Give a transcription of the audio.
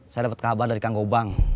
saya dapat kabar dari kang gobang